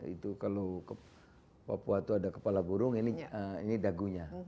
itu kalau ke papua itu ada kepala burung ini dagunya